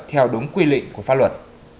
theo đúng quy lịnh của pháp luật